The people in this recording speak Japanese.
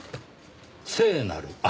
「聖なる愛」